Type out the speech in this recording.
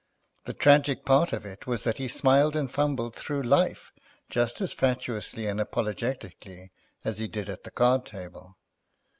The tragic part of it was that he smiled and fumbled through life just as fatuously and apologetically as he did at the card table.